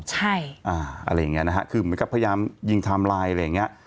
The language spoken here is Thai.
ใช่อ่าอะไรอย่างเงี้ยนะฮะคือเหมือนกับพยายามยิงไทม์ไลน์อะไรอย่างเงี้ย